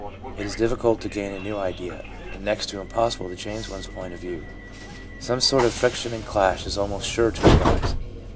It is difficult to gain a new idea, and next to impossible to change one's point of view. Some sort of friction and clash is almost sure to arise.